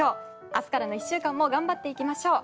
明日からの１週間も頑張っていきましょう。